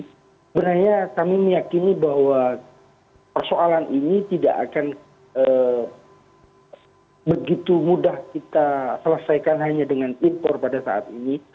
sebenarnya kami meyakini bahwa persoalan ini tidak akan begitu mudah kita selesaikan hanya dengan impor pada saat ini